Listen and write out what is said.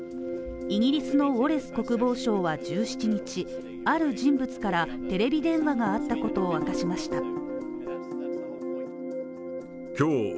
イギリスのウォレス国防相は１７日ある人物から、テレビ電話があったことを明かしました。